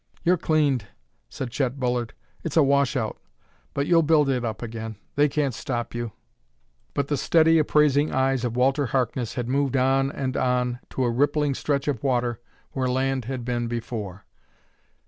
"You're cleaned," said Chet Bullard. "It's a washout! But you'll build it up again; they can't stop you " But the steady, appraising eyes of Walter Harkness had moved on and on to a rippling stretch of water where land had been before.